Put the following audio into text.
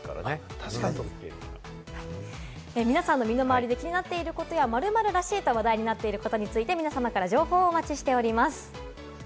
皆さんの身の回りに気になっていることや「○○らしい」と話題になっていることについて皆さまから情報をお待ちしております。